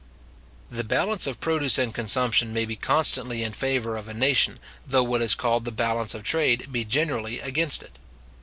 The balance of produce and consumption may be constantly in favour of a nation, though what is called the balance of trade be generally against it.